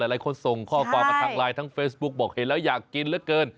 หลายคนส่งข้อความมาทางไลน์ทั้งเฟซบุ๊คบอกเห็นแล้วอยากกินเหลือเกิน